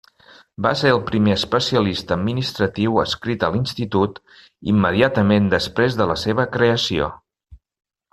Va ser el primer especialista administratiu adscrit a l'Institut immediatament després de la seva creació.